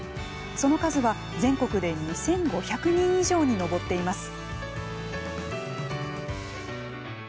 その数は全国で２５００人以上に上っています。